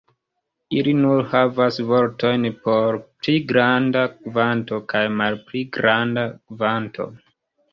Ili nur havas vortojn por "pli granda kvanto" kaj "malpli granda kvanto".